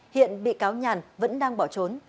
hiện bị cáo nhàn vẫn đang bỏ trốn